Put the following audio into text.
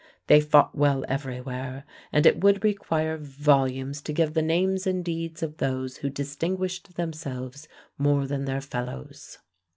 They fought well everywhere, and it would require volumes to give the names and deeds of those who distinguished themselves more than their fellows.